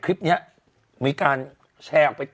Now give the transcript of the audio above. อุ้ยจังหวัด